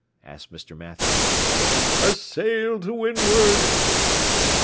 asked Mr. Mathew. "A sail to windward!"